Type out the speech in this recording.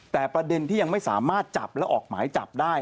แต่ประเด็นที่ยังไม่สามารถจับและออกหมายจับได้